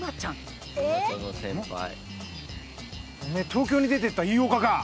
東京に出ていった飯岡か？